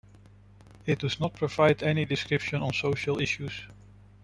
It does not provide any prescription on social issues.